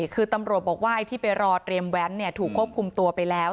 คือตำรวจบอกว่าไอ้ที่ไปรอเตรียมแว้นถูกควบคุมตัวไปแล้ว